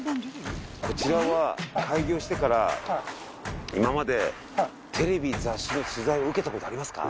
こちらは開業してから今までテレビ・雑誌の取材を受けた事ありますか？